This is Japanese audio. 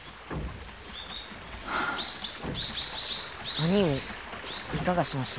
兄上いかがしました？